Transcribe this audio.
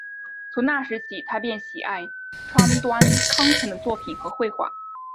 从那时起他便喜爱川端康成的作品和绘画。